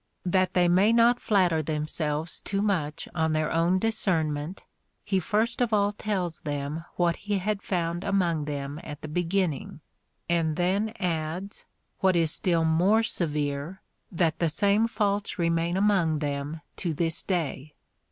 That they may not flatter themselves too much on their own discernment, he first of all tells them what he had found among them at the beginning, and then adds, what is still more severe, that the same faults remain among them to this day.